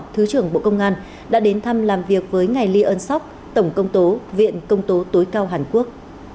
thứ trưởng bộ công an đã đến thăm làm việc với ngài ly ơn tổng công tố viện công tố tối cao hàn quốc